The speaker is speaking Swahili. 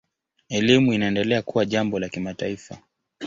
Elimu inaendelea kuwa jambo la kimataifa.